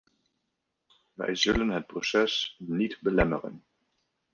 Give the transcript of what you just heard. Wij zullen het proces niet belemmeren.